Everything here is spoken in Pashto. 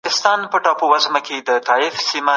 کمپيوټر ويجي اې لري.